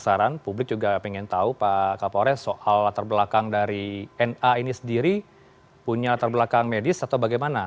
saran publik juga ingin tahu pak kapolres soal latar belakang dari na ini sendiri punya latar belakang medis atau bagaimana